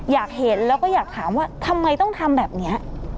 อยากเห็นแล้วก็อยากถามว่าทำไมต้องทำแบบนี้